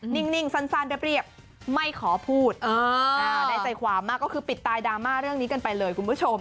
นิ่งสั้นเรียบไม่ขอพูดได้ใจความมากก็คือปิดตายดราม่าเรื่องนี้กันไปเลยคุณผู้ชม